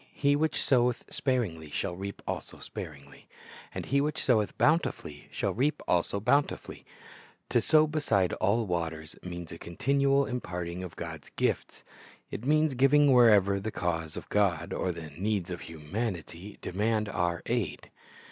He which soweth sparingly shall reap also sparingh ; and he which soweth bountifully shall reap also bounti fully."^ To sow beside all waters means a continual imparting of God's gifts. It means giving wherever the cause of God or the needs of humanity demand our aid.